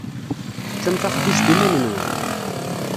Teččam taxbizt iman-nwen.